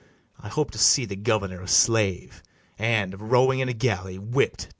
I hope to see the governor a slave, And, rowing in a galley, whipt to death.